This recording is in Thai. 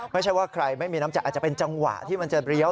ไม่ใช่ว่าใครไม่มีน้ำใจอาจจะเป็นจังหวะที่มันจะเลี้ยว